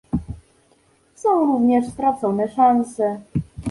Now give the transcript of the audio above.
Są również stracone szanse